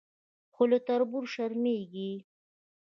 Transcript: خو له تربور شرمېږي.